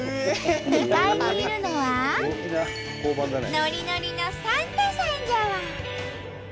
２階にいるのはノリノリのサンタさんじゃわ！